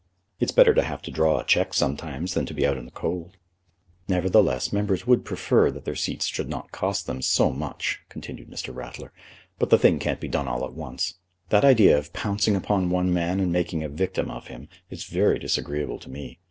"It's better to have to draw a cheque sometimes than to be out in the cold." "Nevertheless, members would prefer that their seats should not cost them so much," continued Mr. Ratler. "But the thing can't be done all at once. That idea of pouncing upon one man and making a victim of him is very disagreeable to me.